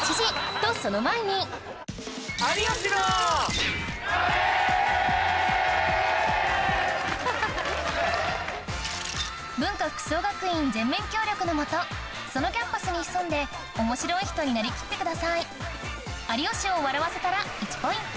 とその前に文化服装学院全面協力の下そのキャンパスに潜んで面白い人になり切ってください有吉を笑わせたら１ポイント